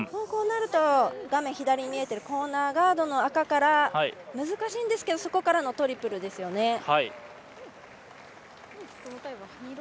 こうなると画面左に見えてるコーナーガードの赤から難しいんですけどそこからのトリプルですよね。